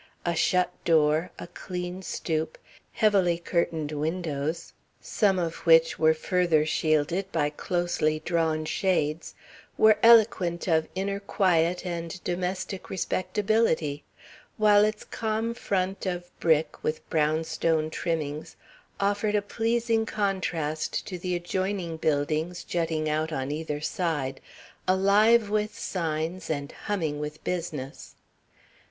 A shut door, a clean stoop, heavily curtained windows (some of which were further shielded by closely drawn shades) were eloquent of inner quiet and domestic respectability, while its calm front of brick, with brownstone trimmings, offered a pleasing contrast to the adjoining buildings jutting out on either side, alive with signs and humming with business.